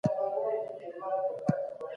حاکمان غواړي چي د مغولو په څېر واکمن سي.